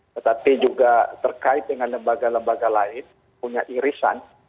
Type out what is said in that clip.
tetapi juga terkait dengan lembaga lembaga lain punya irisan